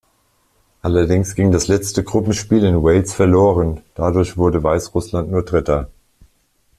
Allerdings ging das letzte Gruppenspiel in Wales verloren, dadurch wurde Weißrussland nur Dritter.